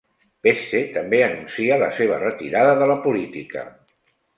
Pesce també anuncia la seva retirada de la política.